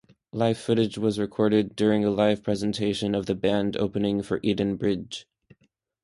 Live footage was recorded during a live presentation of the band opening for Edenbridge.